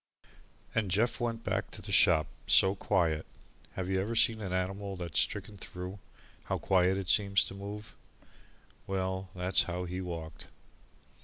And Jeff went back to the shop so quiet have you ever seen an animal that is stricken through, how quiet it seems to move? Well, that's how he walked.